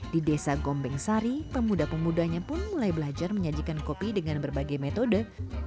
di desa gombeng sari pemuda pemudanya pun mulai belajar menyajikan kopi dengan berbagai metode